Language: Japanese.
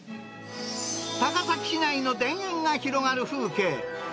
高崎市内の田園が広がる風景。